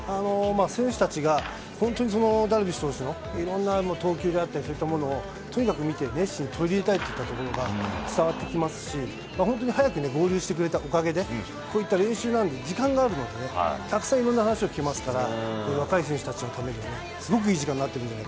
選手たちが本当にダルビッシュ投手のいろんな投球であったり、そういったものをとにかく見て、熱心に取り入れたいといったところが伝わってきますし、本当に早く合流してくれたおかげで、こういった練習なんで、時間があるので、たくさんいろんな話を聞けますから、若い選手たちのためにすごくいい時間になってるんじ